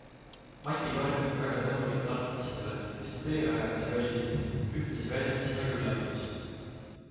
Mati Karmin on väga tänulik tartlastele, kes ta teerajajaks valisid, ühtlasi väljendas ta ka üllatust.